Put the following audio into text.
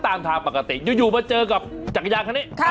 ก็ตามทางปกติอยู่มาเจอกับจักรยานข้านี้ครับ